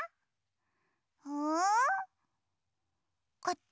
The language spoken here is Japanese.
うん？こっち？